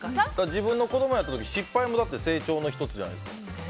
自分の子供やったら失敗も成長の１つじゃないですか。